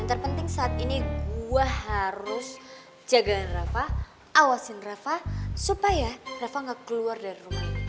yang terpenting saat ini gue harus jaga rafa awasin rafa supaya rafa gak keluar dari rumah ini